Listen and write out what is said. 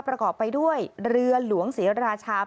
ประกอบไปด้วยเรือหลวงศรีราชา